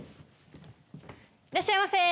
いらっしゃいませ。